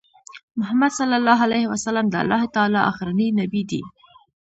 محمد صلی الله عليه وسلم د الله تعالی آخرنی نبی دی